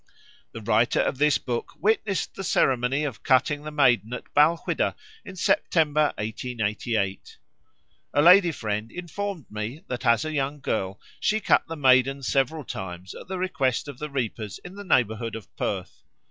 The writer of this book witnessed the ceremony of cutting the Maiden at Balquhidder in September 1888. A lady friend informed me that as a young girl she cut the Maiden several times at the request of the reapers in the neighbourhood of Perth.